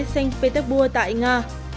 xanh peterbua tại nga